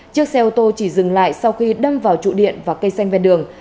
chiếc xe ô tô chỉ dừng lại sau khi đâm vào trụ điện và cây xanh ven đường